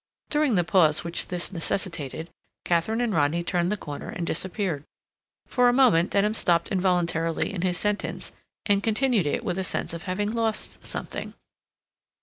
During the pause which this necessitated, Katharine and Rodney turned the corner and disappeared. For a moment Denham stopped involuntarily in his sentence, and continued it with a sense of having lost something.